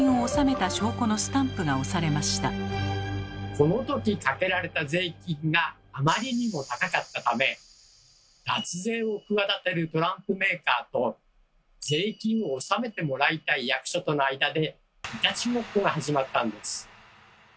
このときかけられた税金があまりにも高かったため脱税を企てるトランプメーカーと税金を納めてもらいたい役所との間でいたちごっこが始まったんです。